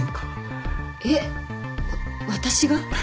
えっ私が？